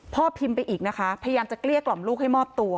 พิมพ์ไปอีกนะคะพยายามจะเกลี้ยกล่อมลูกให้มอบตัว